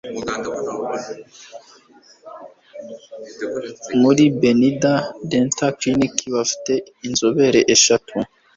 Muri Pineda Dental Clinic bafite inzobere eshatu